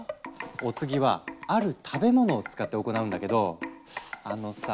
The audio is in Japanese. お次は「ある食べ物」を使って行うんだけどあのさ